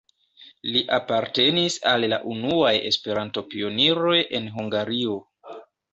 Li apartenis al la unuaj Esperanto-pioniroj en Hungario.